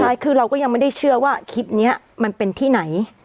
ใช่คือเราก็ยังไม่ได้เชื่อว่าคลิปนี้มันเป็นที่ไหน